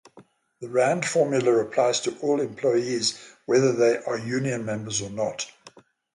The Rand formula applies to all employees whether they are union members or not.